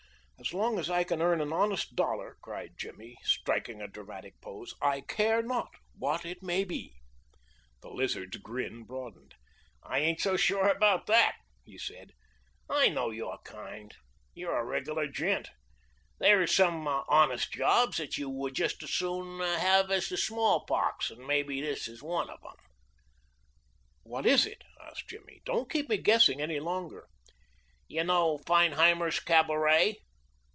"As long as I can earn an honest dollar," cried Jimmy, striking a dramatic pose, "I care not what it may be." The Lizard's grin broadened. "I ain't so sure about that," he said. "I know your kind. You're a regular gent. There is some honest jobs that you would just as soon have as the smallpox, and maybe this is one of them." "What is it?" asked Jimmy. "Don't keep me guessing any longer." "You know Feinheimer's Cabaret."